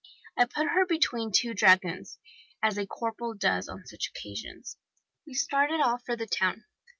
I put her between two dragoons, as a corporal does on such occasions. We started off for the town.